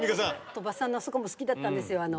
鳥羽さんの好きだったんですよ。